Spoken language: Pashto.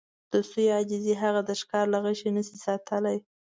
د سویې عاجزي هغه د ښکاري له غشي نه شي ساتلی.